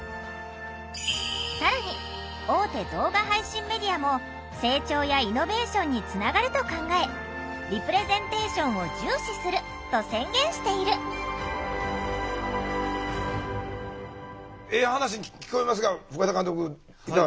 更に大手動画配信メディアも成長やイノベーションにつながると考えリプレゼンテーションを重視すると宣言しているええ話に聞こえますが深田監督いかがですか？